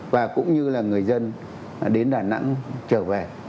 và cũng như là người dân đến đà nẵng trở về